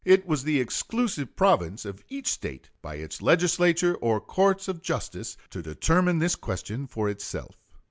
It was the exclusive province of each State, by its Legislature or courts of justice, to determine this question for itself.